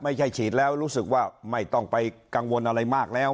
ฉีดแล้วรู้สึกว่าไม่ต้องไปกังวลอะไรมากแล้ว